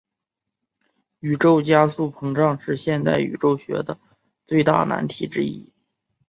宇宙加速膨胀是现代宇宙学的最大难题之一。